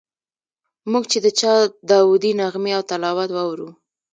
موږ چې د چا داودي نغمې او تلاوت واورو.